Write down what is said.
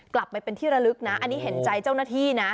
กลับไปเป็นที่ระลึกนะอันนี้เห็นใจเจ้าหน้าที่นะ